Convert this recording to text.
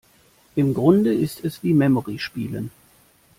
Im Grunde ist es wie Memory spielen.